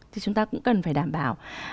thì chúng ta cũng cần phải đảm bảo